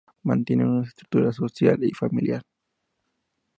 Mantienen una estructura social familiar.